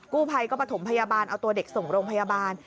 กู้ภัยก็ประถมพยาบาลเอาตัวเด็กส่งโรงพยาบาล